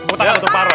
mutlakan untuk pak roy